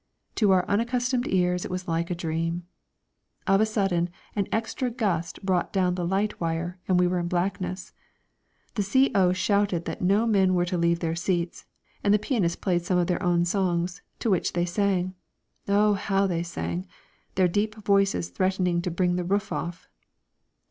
To our unaccustomed ears it was like a dream. Of a sudden, an extra gust brought down the light wire and we were in blackness. The C.O. shouted that no men were to leave their seats, and the pianist played some of their own songs, to which they sang. Oh, how they sang, their deep voices threatening to bring the roof off!